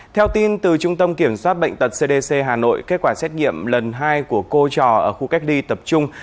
theo tin từ trung tâm kiểm soát bệnh tật cdc hà nội kết quả xét nghiệm lần hai của cô trò ở khu cách ly tập trung